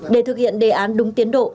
để thực hiện đề án đúng tiến độ